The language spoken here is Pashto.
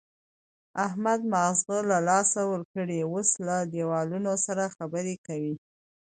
احمد ماغزه له لاسه ورکړي، اوس له دېوالونو سره خبرې کوي.